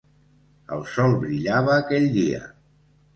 El sol brillava aquell dia.